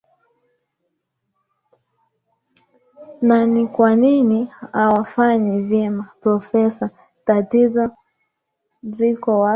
na ni kwa nini hawafanyi vyema profesa tatizo ziko wapi